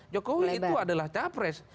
jokowi itu adalah capres